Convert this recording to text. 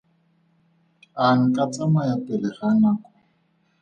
A nka tsamaya pele ga nako?